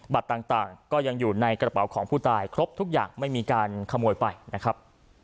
ต่างก็ยังอยู่ในกระเป๋าของผู้ตายครบทุกอย่างไม่มีการขโมยไปนะครับ